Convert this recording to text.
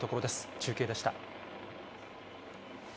中継でした。